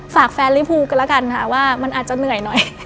ฝากแฟนลิภูกันแล้วกันค่ะว่ามันอาจจะเหนื่อยหน่อย